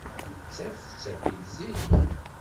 Nettat tettaki-d zik.